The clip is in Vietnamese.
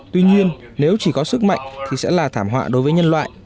tuy nhiên nếu chỉ có sức mạnh thì sẽ là thảm họa đối với nhân loại